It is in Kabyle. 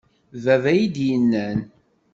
D baba iyi-d-yennan